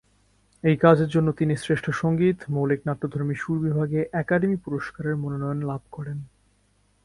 এই কাজের জন্য তিনি শ্রেষ্ঠ সঙ্গীত, মৌলিক নাট্যধর্মী সুর বিভাগে একাডেমি পুরস্কারের মনোনয়ন লাভ করেন।